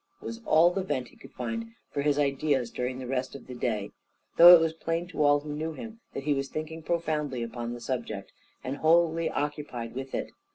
was all the vent he could find for his ideas during the rest of the day; though it was plain to all who knew him that he was thinking profoundly upon the subject, and wholly occupied with it.